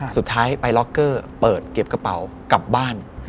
สุดท้ายไปล็อกเกอร์เปิดเก็บกระเป๋ากลับบ้าน